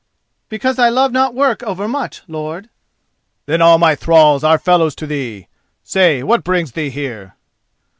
"Because I love not work overmuch, lord." "Then all my thralls are fellow to thee. Say, what brings thee here?"